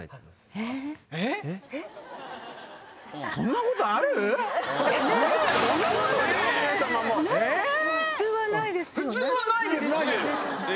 そんなことねぇ！